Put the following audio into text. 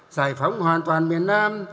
giải phóng hoàn toàn miền nam